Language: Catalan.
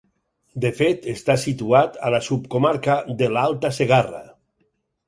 De fet està situat a la subcomarca de l'Alta Segarra.